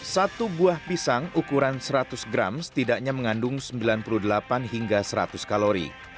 satu buah pisang ukuran seratus gram setidaknya mengandung sembilan puluh delapan hingga seratus kalori